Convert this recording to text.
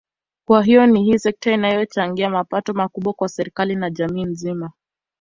Kwa hiyo hii ni sekta inayochangia mapato makubwa kwa serikali na jamii nzima